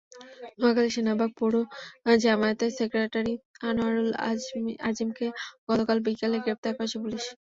নোয়াখালীর সেনবাগ পৌর জামায়াতের সেক্রেটারি আনোয়ারুল আজিমকে গতকাল বিকেলে গ্রেপ্তার করেছে পুলিশ।